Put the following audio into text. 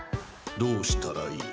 どうしたらいい？